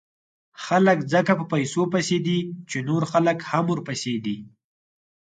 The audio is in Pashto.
خلک ځکه په پیسو پسې دي، چې نور خلک هم ورپسې دي.